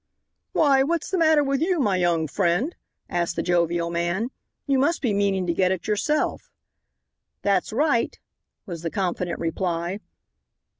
"Why, what's the matter with you, my young friend," asked the jovial man; "you must be meaning to get it yourself." "That's right," was the confident reply.